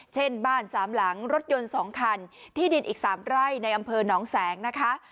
เช่นบ้าน๓หลังรถยนต์๒คันที่ดินอีก๓ไร่ในอำเภอหนองแสงนะคะ